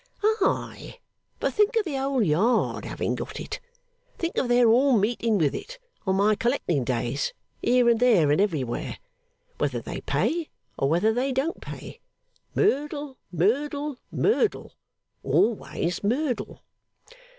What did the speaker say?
'Ay! But think of the whole Yard having got it. Think of their all meeting me with it, on my collecting days, here and there and everywhere. Whether they pay, or whether they don't pay. Merdle, Merdle, Merdle. Always Merdle.